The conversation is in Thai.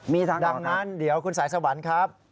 มีทางออกครับดังนั้นคุณสายสวรรค์ครับ